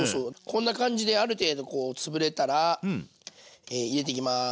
こんな感じである程度こう潰れたら入れていきます。